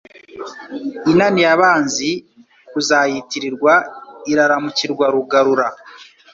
Inaniye abanzi kuzayitirirwa Iraramukirwa Rugarura